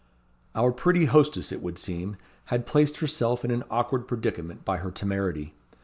Our pretty hostess, it would seem, had placed herself in an awkward predicament by her temerity.